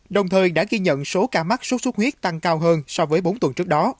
đồng thời đã ghi nhận số ca mắc sốt xuất huyết tăng cao hơn so với bốn tuần trước đó